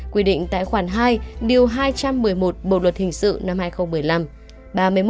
quy định tại khoản hai điều hai trăm một mươi một bộ luật hình sự năm hai nghìn một mươi năm